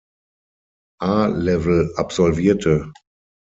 A-Level absolvierte.